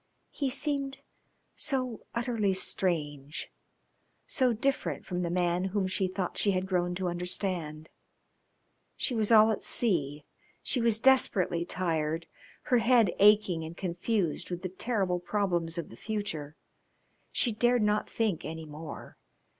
He seemed so utterly strange, so different from the man whom she thought she had grown to understand. She was all at sea. She was desperately tired, her head aching and confused with the terrible problems of the future. She dared not think any more.